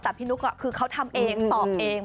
แต่พี่นุ๊กคือเขาทำเองตอบเอง